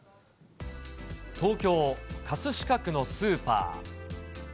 東京・葛飾区のスーパー。